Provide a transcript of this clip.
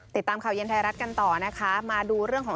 ติดตามข่าวเย็นไทยรัฐกันต่อนะคะมาดูเรื่องของ